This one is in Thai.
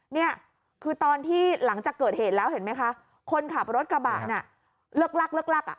เนี่ยคือตอนที่หลังจากเกิดเหตุแล้วเห็นไหมคะคนขับรถกระบะน่ะเลิกลักเลิกลักอ่ะ